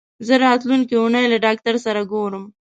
زه راتلونکې اونۍ له ډاکټر سره ګورم.